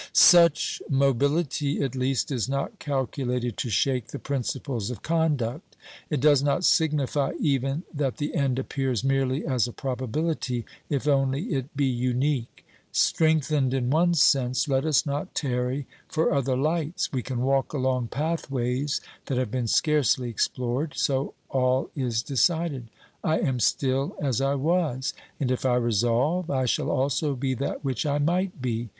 Such mobility at least is not calculated to shake the principles of conduct. It does not signify even that the end appears merely as a probability, if only it be unique. Strengthened in one sense, let us not tarry for other lights ; we can walk along pathways that have been scarcely ex plored. So all is decided. I am still as I was; and if I resolve, I shall also be that which I might be.